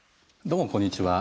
どうもこんにちは。